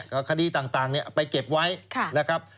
คดีต่างไปเก็บไว้นะครับ